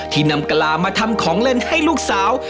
ที่นำกะลามาทำของเล่นให้ลูกสาว